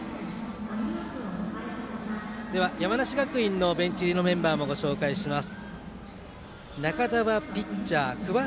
山梨学院のベンチ入りのメンバーもご紹介します。